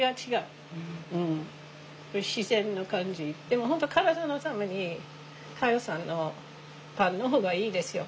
でも本当体のために香代さんのパンの方がいいですよ